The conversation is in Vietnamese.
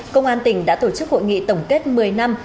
công an tỉnh đã tổ chức hội nghị tổng kết một mươi năm